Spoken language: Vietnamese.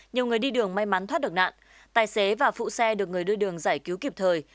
nhiều người đi đường may mắn thoát được nạn tài xế và phụ xe được người đưa đường giải cứu kịp thời